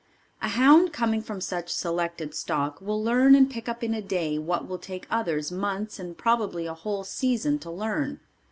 A hound coming from such selected stock will learn and pick up in a day what will take others months and probably a whole season to learn.